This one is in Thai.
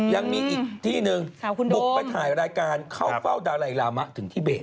ยังมีอีกที่หนึ่งบุกไปถ่ายรายการเข้าเฝ้าดาลัยลามะถึงที่เบส